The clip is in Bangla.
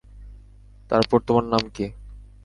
তারপর, তোমার নাম কি?